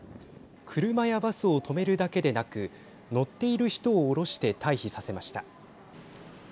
車やバスを止めるだけでなく乗っている人を降ろして退避させました。